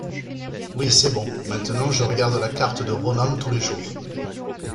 oui c'est bon, maintenant je regarde la carte de Ronan tous les jours.